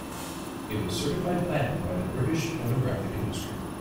It was Certified Platinum by the British Phonographic Industry.